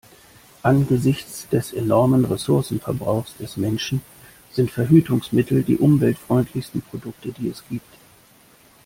Angesichts des enormen Ressourcenverbrauchs des Menschen sind Verhütungsmittel die umweltfreundlichsten Produkte, die es gibt.